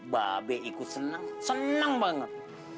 ba be ikut senang senang banget